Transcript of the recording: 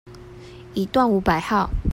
一段五百號